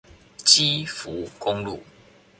基福公路